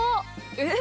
えっ？